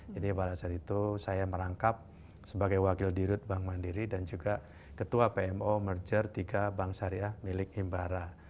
jadi pada saat itu saya merangkap sebagai wakil dirut bank mandiri dan juga ketua pmo merger tiga bank syariah milik imbara